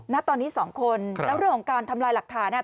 ณตอนนี้สองคนแล้วเรื่องของการทำลายหลักฐาน